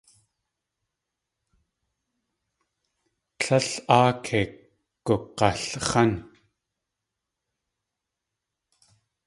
Tlél áa kei gug̲alx̲án.